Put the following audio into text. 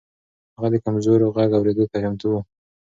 هغه د کمزورو غږ اورېدو ته چمتو و.